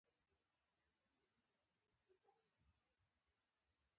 د خبریال مسوولیت رښتیا ویل دي.